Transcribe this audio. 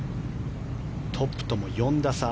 トップとも４打差。